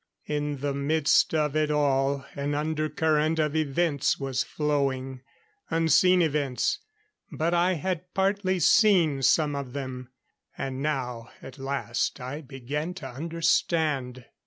In the midst of it all, an undercurrent of events was flowing. Unseen events but I had partly seen some of them, and now, at last, I began to understand.